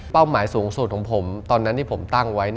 หมายสูงสุดของผมตอนนั้นที่ผมตั้งไว้